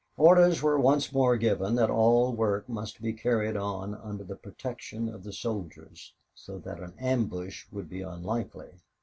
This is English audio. Orders were once more given that all work must be carried on under the protection of the soldiers, so that an ambush would be unlikely.